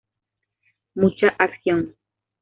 Mucha acción.